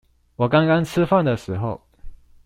我剛剛吃飯的時候